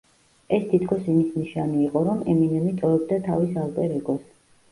ეს თითქოს იმის ნიშანი იყო, რომ ემინემი ტოვებდა თავის ალტერ-ეგოს.